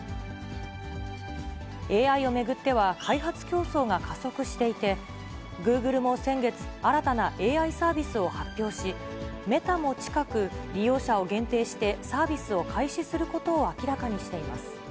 ＡＩを巡っては、開発競争が加速していて、グーグルも先月、新たなＡＩサービスを発表し、メタも近く、利用者を限定してサービスを開始することを明らかにしています。